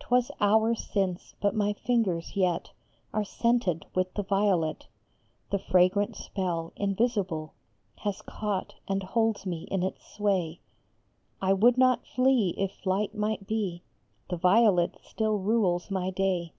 T was hours since, but my fingers yet Are scented with the violet ; The fragrant spell, invisible, Has caught and holds me in its sway. I would not flee if flight might be ; The violet still rules my day.